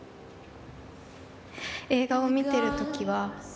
映画を見てる時は。